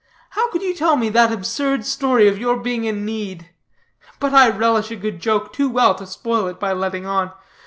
How could you tell me that absurd story of your being in need? But I relish a good joke too well to spoil it by letting on.